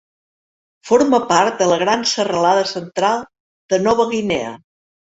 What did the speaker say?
Forma part de la gran Serralada Central de Nova Guinea.